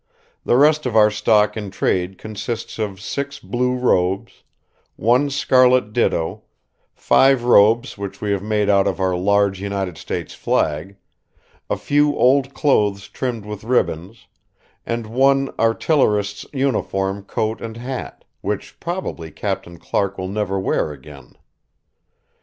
The rest of our stock in trade consists of six blue robes, one scarlet ditto, five robes which we have made out of our large United States flag, a few old clothes trimmed with ribbons, and one artillerist's uniform coat and hat, which probably Captain Clark will never wear again.